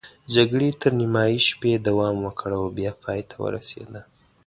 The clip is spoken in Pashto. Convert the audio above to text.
جګړې تر نیمايي شپې دوام وکړ او بیا پای ته ورسېده.